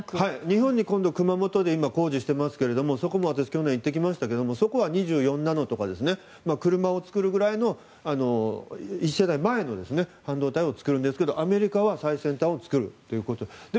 日本に今度熊本で工事をしていますがそこも去年行ってきましたけどそこは２４ナノとか車を作るぐらいの１世代前の半導体を作るんですがアメリカは最先端を作るということで。